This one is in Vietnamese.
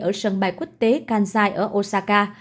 ở sân bay quốc tế kansai ở osaka